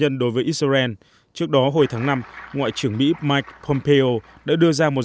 nhân đối với israel trước đó hồi tháng năm ngoại trưởng mỹ mike pompeo đã đưa ra một